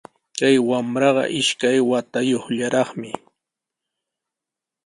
Kay wamraqa ishkay watayuqllaraqmi